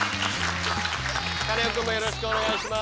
カネオくんもよろしくお願いします。